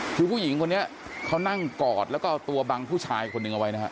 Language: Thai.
คือผู้หญิงคนนี้เขานั่งกอดแล้วก็เอาตัวบังผู้ชายคนหนึ่งเอาไว้นะฮะ